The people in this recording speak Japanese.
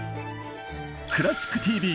「クラシックＴＶ」